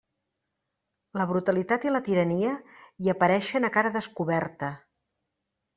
La brutalitat i la tirania hi apareixen a cara descoberta.